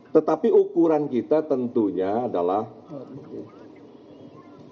tetapi ukuran kita tentunya adalah alat bukti